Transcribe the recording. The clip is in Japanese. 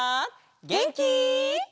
げんき？